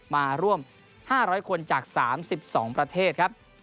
มาร่วม๕๐๐คนจาก๓๒ประเทศครับ